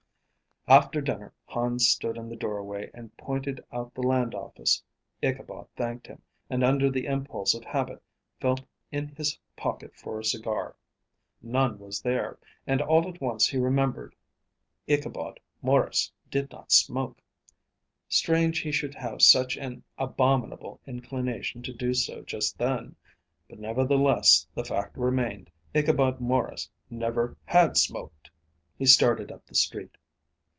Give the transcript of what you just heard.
_ After dinner Hans stood in the doorway and pointed out the land office. Ichabod thanked him, and under the impulse of habit felt in his pocket for a cigar. None was there, and all at once he remembered Ichabod Maurice did not smoke. Strange he should have such an abominable inclination to do so just then; but nevertheless the fact remained. Ichabod Maurice never had smoked. He started up the street.